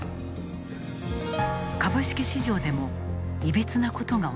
株式市場でもいびつなことが起きている。